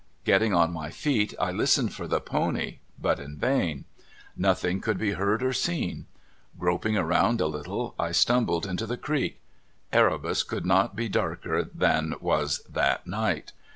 Getting on my feet, I listened for the pony, but in vain. Noth ing could be heard or seen. Groping around a little, I stumbled into the creek. Erebus could not be darker than was that night.